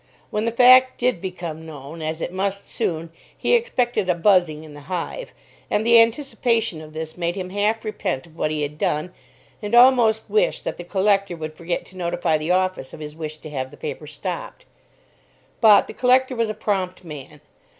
When the fact did become known, as it must soon, he expected a buzzing in the hive, and the anticipation of this made him half repent of what he had done, and almost wish that the collector would forget to notify the office of his wish to have the paper stopped. But, the collector was a prompt man.